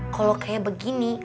kalo kayak begini